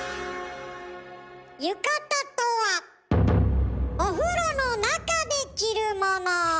浴衣とはお風呂の中で着るもの。